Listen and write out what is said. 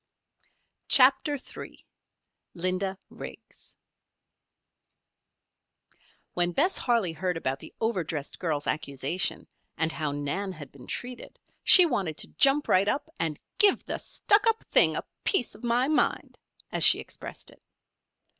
CHAPTER III LINDA RIGGS When Bess Harley heard about the over dressed girl's accusation, and how Nan had been treated, she wanted to jump right up and "give the stuck up thing a piece of my mind!" as she expressed it.